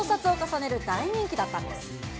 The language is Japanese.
こちら、増刷を重ねる大人気だったんです。